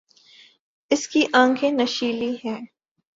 اس کی آنکھیں نشیلی ہیں۔